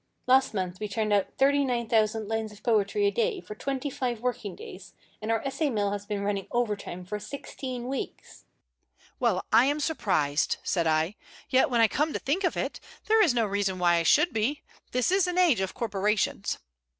Last month we turned out 39,000 lines of poetry a day for twenty five working days, and our essay mill has been running over time for sixteen weeks." "Well, I am surprised!" said I. "Yet, when I come to think of it, there is no reason why I should be. This is an age of corporations."